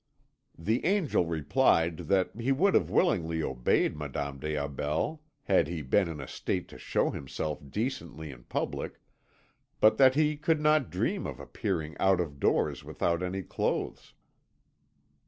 The Angel replied that he would have willingly obeyed Madame des Aubels had he been in a state to show himself decently in public, but that he could not dream of appearing out of doors without any clothes.